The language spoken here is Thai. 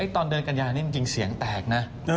ตอนเดือนกันยานี่จริงเสียงแตกนะ